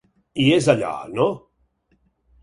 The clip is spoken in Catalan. I és allò, no?